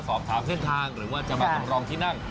สอบถามเส้นทางหรือว่าจะมาสำรองที่นั่ง